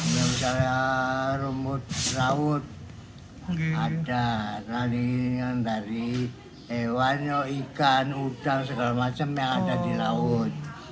misalnya rumput laut ada lalu ini yang dari hewan ikan udang segala macam yang ada di laut